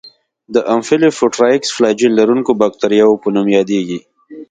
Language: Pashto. د امفیلوفوټرایکس فلاجیل لرونکو باکتریاوو په نوم یادیږي.